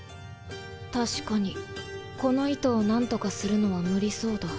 確かにこの糸を何とかするのは無理そうだ。